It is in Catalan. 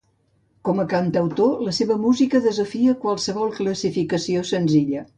Com a cantautor, la seva música desafia qualsevol classificació senzilla.